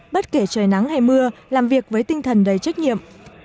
bất kể trời nắng hay mưa làm việc với tinh thần đầy trách nhiệm